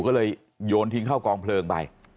ก็เลยโยนทิ้งเข้ากองเพลิงไป